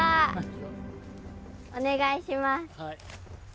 お願いします。